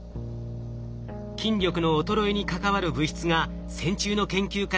筋力の衰えに関わる物質が線虫の研究から明らかになりました。